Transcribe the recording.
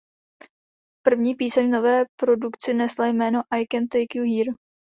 První píseň v nové produkci nesla jméno „I can take you here“.